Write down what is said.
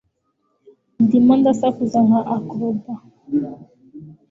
ndimo ndasakuza nka acrobat